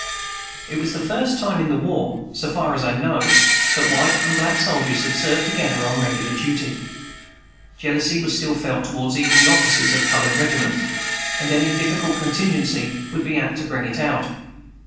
It was the first time in the war (so far as I know) that white and black soldiers had served together on regular duty. Jealousy was still felt towards even the officers of colored regiments, and any difficult contingency would be apt to bring it out.